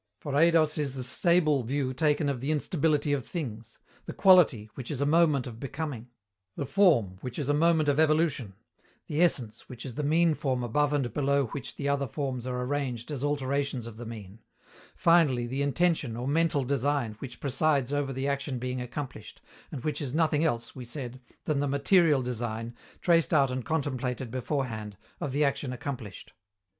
For [Greek: eidos] is the stable view taken of the instability of things: the quality, which is a moment of becoming; the form, which is a moment of evolution; the essence, which is the mean form above and below which the other forms are arranged as alterations of the mean; finally, the intention or mental design which presides over the action being accomplished, and which is nothing else, we said, than the material design, traced out and contemplated beforehand, of the action accomplished.